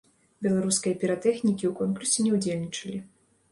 Беларускія піратэхнікі ў конкурсе не ўдзельнічалі.